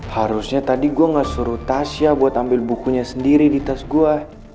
harusnya tadi gue gak suruh tasya buat ambil bukunya sendiri di tas gue